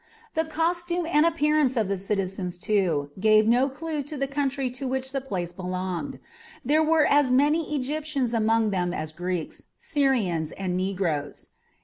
The costume and appearance of the citizens, too, gave no clew to the country to which the place belonged; there were as many Egyptians among them as Greeks, Syrians, and negroes.